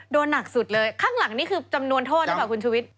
โดนหนักสุดเลยข้างหลังนี่คือจำนวนโทษหรือเปล่าคุณชุวิต